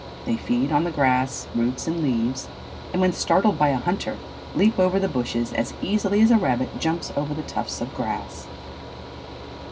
They feed on the grass, roots, and leaves, and when startled by a hunter, leap over the bushes as easily as a rabbit jumps over the tufts of grass.